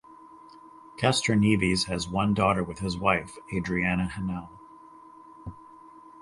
Castroneves has one daughter with his wife, Adriana Henao.